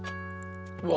うわ